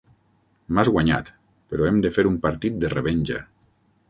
M'has guanyat, però hem de fer un partit de revenja.